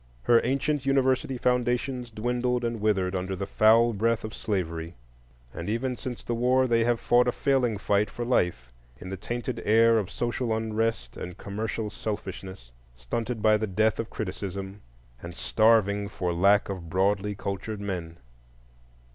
Her ancient university foundations dwindled and withered under the foul breath of slavery; and even since the war they have fought a failing fight for life in the tainted air of social unrest and commercial selfishness, stunted by the death of criticism, and starving for lack of broadly cultured men.